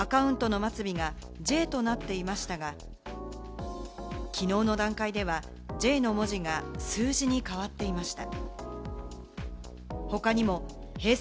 アカウントの末尾が「Ｊ」となっていましたが、きのうの段階では「Ｊ」の文字が数字に変わっていました。